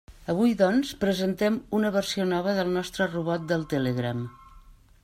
Avui, doncs, presentem una versió nova del nostre robot del Telegram.